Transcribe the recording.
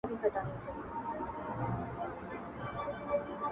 هغه چي په لفظونو کي بې هم پښه وهل!!